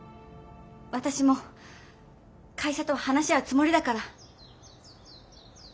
私も会社とは話し合うつもりだから。